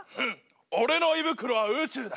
俺の胃袋は宇宙だ。